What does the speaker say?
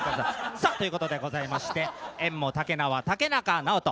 さあということでございまして宴もたけなわ竹中直人。